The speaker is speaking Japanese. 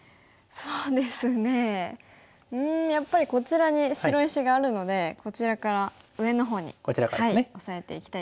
そうですねうんやっぱりこちらに白石があるのでこちらから上のほうにオサえていきたいですか。